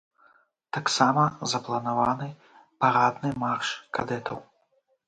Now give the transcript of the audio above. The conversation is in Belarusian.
Таксама запланаваны парадны марш кадэтаў.